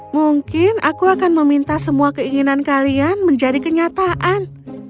mungkin aku akan meminta semua keinginan kalian menjadi kenyataan